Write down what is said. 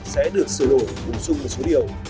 sẽ được sửa đổi cung dung một số điều